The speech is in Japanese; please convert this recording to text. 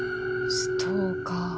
ストーカー。